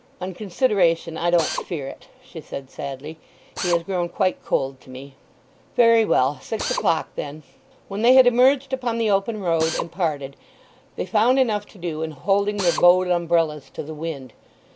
"On consideration I don't fear it," she said sadly. "He has grown quite cold to me." "Very well. Six o'clock then." When they had emerged upon the open road and parted, they found enough to do in holding their bowed umbrellas to the wind.